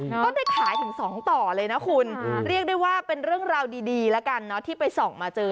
ก็ได้ขายถึงสองต่อเลยนะคุณเรียกได้ว่าเป็นเรื่องราวดีดีแล้วกันเนอะที่ไปส่องมาเจอ